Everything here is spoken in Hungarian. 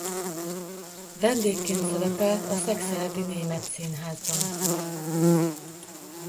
Vendégként szerepelt a Szekszárdi Német Színházban.